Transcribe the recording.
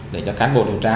để cho cán bộ điều tra